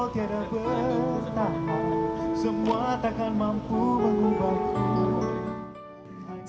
kau tidak bertahan semua takkan mampu mengubahku